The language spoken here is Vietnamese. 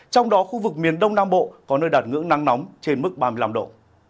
trong đó khu vực miền đông nam bộ có nơi đạt ngưỡng nắng nóng trên mức ba mươi năm độ